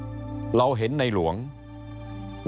เพราะฉะนั้นท่านก็ออกโรงมาว่าท่านมีแนวทางที่จะทำเรื่องนี้ยังไง